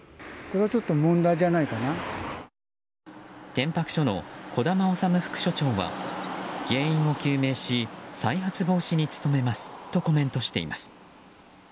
天白署の児玉修副署長は原因を究明し再発防止に努めますとコメントしています。